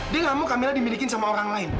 dia nggak mau camilla dimiliki sama orang lain